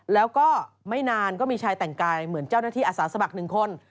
แล้วก็ไม่นานก็มีชายแต่งกายเหมือนเจ้าหน้าที่อาสาสมัครหนึ่งคน